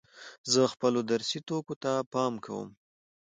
زه خپلو درسي توکو ته پام کوم.